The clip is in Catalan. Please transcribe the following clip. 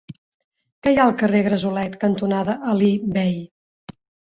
Què hi ha al carrer Gresolet cantonada Alí Bei?